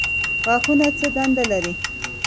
غاښونه څه دنده لري؟